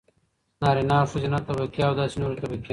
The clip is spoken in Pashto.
نارينه او ښځينه طبقې او داسې نورې طبقې.